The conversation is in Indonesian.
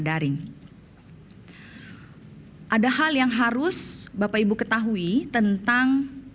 daring ada hal yang harus bapak ibu ketahui tentang para penyelenggara jenajah atau petugas